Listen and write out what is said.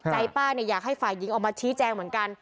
ป้าเนี่ยอยากให้ฝ่ายหญิงออกมาชี้แจงเหมือนกัน